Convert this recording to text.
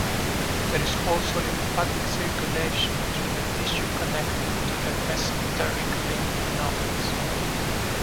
There is also lymphatic circulation through the tissue connected to the mesenteric lymph nodes.